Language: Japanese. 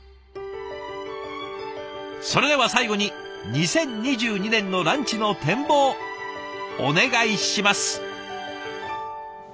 それでは最後に２０２２年のランチの展望お願いします！